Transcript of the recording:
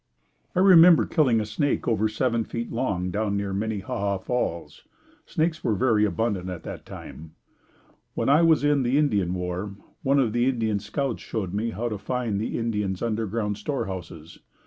I remember killing a snake over seven feet long down near Minnehaha Falls. Snakes were very abundant at that time. When I was in the Indian war, one of the Indian scouts showed me how to find the Indians' underground store houses.